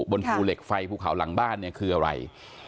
บนภูเหล็กไฟภูเขาหลังบ้านเนี่ยคืออะไร